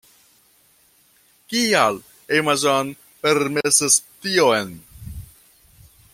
Kial Amazon permesas tion?